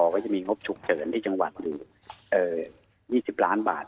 ก็จะมีงบฉุกเฉินที่จังหวัดอยู่๒๐ล้านบาท